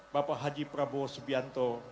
bapak haji prabowo subianto